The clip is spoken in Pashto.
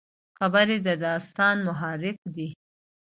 خبرې د داستان محرک دي.